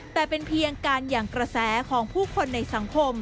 แต่เป็นเพียงการหยั่งกระแสของผู้คนในสังคม